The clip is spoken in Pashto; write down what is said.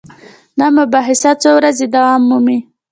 دا مباحثه څو ورځې دوام مومي.